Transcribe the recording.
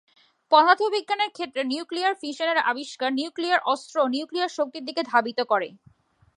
পদার্থবিজ্ঞানের ক্ষেত্রে nuclear fission এর আবিষ্কার নিউক্লিয়ার অস্ত্র ও নিউক্লিয়ার শক্তির দিকে ধাবিত করে।